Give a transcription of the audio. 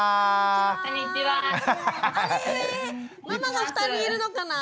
ママが２人いるのかな？